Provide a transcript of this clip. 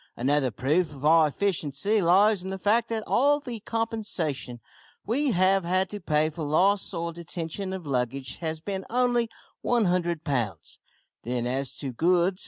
Another proof of our efficiency lies in the fact that all the compensation we have had to pay for loss or detention of luggage has been only 100 pounds. Then as to goods.